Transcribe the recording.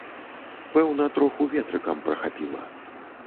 Пэўна, троху ветрыкам прахапіла.